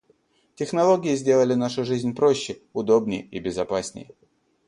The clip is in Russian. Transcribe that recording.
Технологии сделали нашу жизнь проще, удобнее и безопаснее.